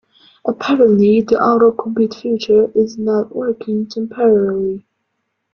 Apparently, the autocomplete feature is not working temporarily.